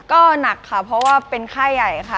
ก็หนักค่ะเพราะว่าเป็นไข้ใหญ่ค่ะ